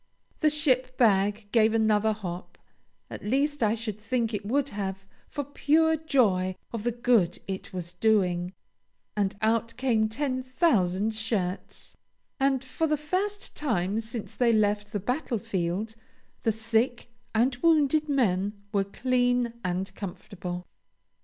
The ship bag gave another hop (at least I should think it would have, for pure joy of the good it was doing), and out came ten thousand shirts; and for the first time since they left the battlefield the sick and wounded men were clean and comfortable.